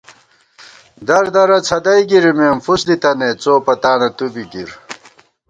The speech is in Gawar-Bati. در درہ څھدَئی گِرِمېم، فُس دِتَنَئیت ، څو پتانہ تُو بی گِر